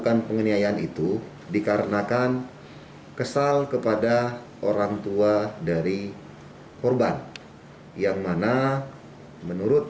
kepolisian sektor tamu